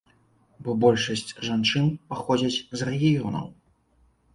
Бо большасць жанчын паходзяць з рэгіёнаў.